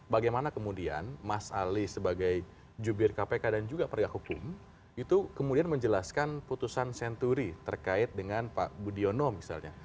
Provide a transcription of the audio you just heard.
bagaimana kemudian mas ali sebagai jubir kpk dan juga pergak hukum itu kemudian menjelaskan putusan senturi terkait dengan pak budiono misalnya